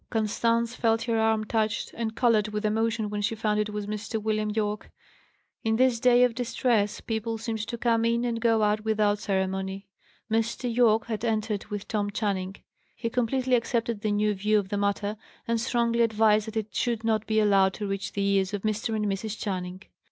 Constance felt her arm touched, and coloured with emotion when she found it was Mr. William Yorke. In this day of distress, people seemed to come in and go out without ceremony. Mr. Yorke had entered with Tom Channing. He completely accepted the new view of the matter, and strongly advised that it should not be allowed to reach the ears of Mr. and Mrs. Channing.